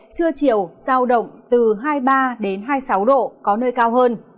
trưa chiều giao động từ hai mươi ba hai mươi sáu độ có nơi cao hơn